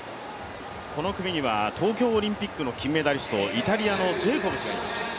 この組には東京オリンピックの金メダリスト、イタリアのジェイコブスがいます。